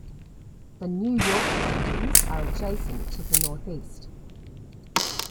The New York Mountains are adjacent to the northeast.